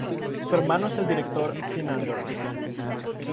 Su hermano es el director Sean Anders.